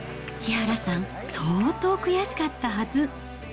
木原さん、相当悔しかったはず。